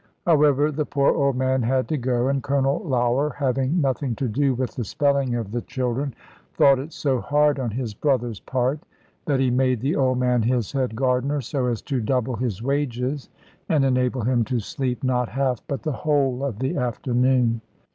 However the poor old man had to go, and Colonel Lougher, having nothing to do with the spelling of the children, thought it so hard on his brother's part, that he made the old man his head gardener, so as to double his wages, and enable him to sleep not half, but the whole of the afternoon.